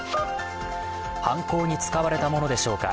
犯行に使われたものでしょうか。